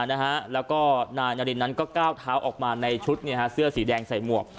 นะฮะแล้วก็นายนั่นก็ก้าวเท้าออกมาในชุดเนี่ยฮะเสื้อสีแดงใส่หมวก